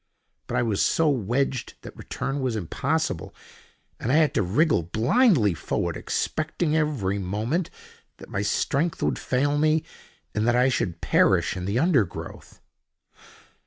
But I was so wedged that return was impossible, and I had to wriggle blindly forward, expecting every moment that my strength would fail me, and that I should perish in the undergrowth.